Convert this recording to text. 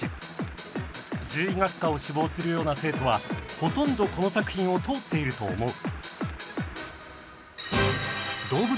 獣医学科を志望するような生徒はほとんどこの作品を通っていると思う。